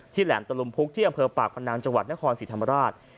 ที่แหลมตลมพุกที่อำเภอปากฟ้านางจังหวัดนครสิทธ